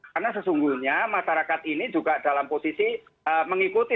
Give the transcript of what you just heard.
karena sesungguhnya masyarakat ini juga dalam posisi mengikuti